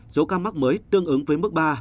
số ca mắc mới tương ứng với mức ba